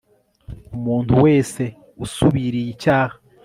umuntu wese usubiriye icyaha